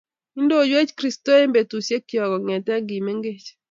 Ndoiwech kristo eng betusiek chog kongete kemining